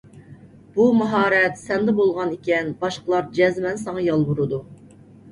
بۇ ماھارەت سەندە بولغان ئىكەن، باشقىلار جەزمەن ساڭا يالۋۇرىدۇ.